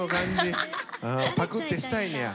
パクってしたいねや。